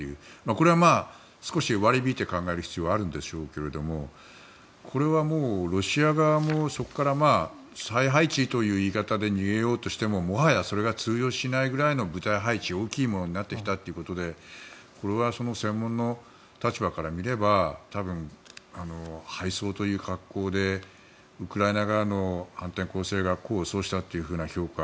これは少し割り引いて考える必要はあるんでしょうけどこれはもうロシア側もそこから再配置という言い方で逃げようとしてももはやそれが通用しないぐらいの部隊配置、大きいものになってきたということでこれは専門の立場から見れば多分、敗走という格好でウクライナ側の反転攻勢が功を奏したというような評価